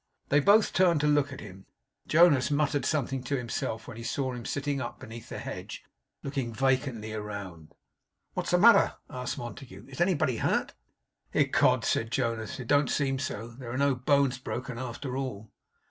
They both turned to look at him. Jonas muttered something to himself, when he saw him sitting up beneath the hedge, looking vacantly around. 'What's the matter?' asked Montague. 'Is anybody hurt?' 'Ecod!' said Jonas, 'it don't seem so. There are no bones broken, after all.